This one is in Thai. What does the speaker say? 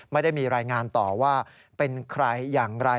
ไม่ได้มีรายงานต่อว่าเป็นใครอย่างไร